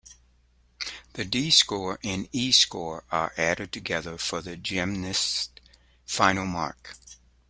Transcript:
The D-score and E-score are added together for the gymnast's final mark.